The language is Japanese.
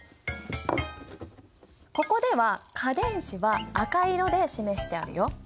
ここでは価電子は赤色で示してあるよ。